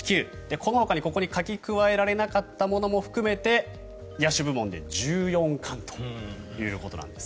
このほかにここに書き加えられなかったものも含めて野手部門で１４冠ということなんです。